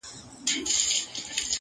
بيزو وان يې پر تخت كښېناوه پاچا سو!.